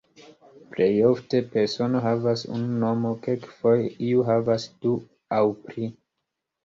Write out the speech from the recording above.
Plejofte, persono havas unu nomo, kelkfoje iu havas du aŭ pli.